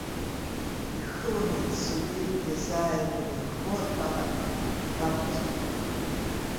Ихылан иӡсогьы иазааигәан инхо ркәатақәа ракәӡоуп.